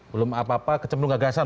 belum apa apa kecendung gagasan